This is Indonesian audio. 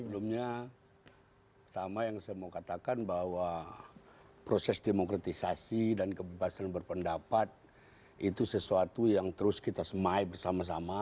sebelumnya pertama yang saya mau katakan bahwa proses demokratisasi dan kebebasan berpendapat itu sesuatu yang terus kita semai bersama sama